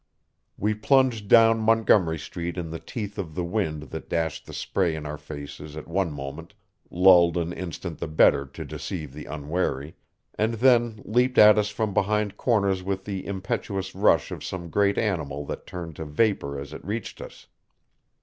We plunged down Montgomery Street in the teeth of the wind that dashed the spray in our faces at one moment, lulled an instant the better to deceive the unwary, and then leaped at us from behind corners with the impetuous rush of some great animal that turned to vapor as it reached us.